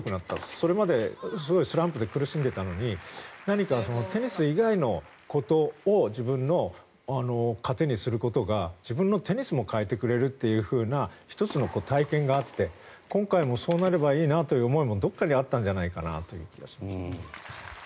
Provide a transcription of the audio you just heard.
それまですごいスランプで苦しんでいたのにテニス以外のことを自分のかてにすることが自分のテニスも変えてくれるという１つの体験があって、今回もそうなればいいなという思いがどこかにあったんじゃないかなという気はしましたね。